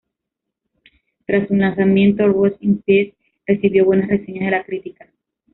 Tras su lanzamiento, "Rust in Peace" recibió buenas reseñas de la crítica.